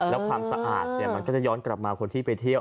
แล้วความสะอาดมันก็จะย้อนกลับมาคนที่ไปเที่ยว